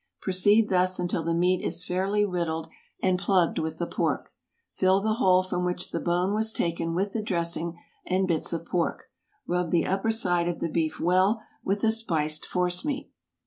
Proceed thus until the meat is fairly riddled and plugged with the pork. Fill the hole from which the bone was taken with the dressing and bits of pork; rub the upper side of the beef well with the spiced force meat.